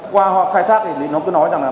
qua khai thác thì nó cứ nói rằng là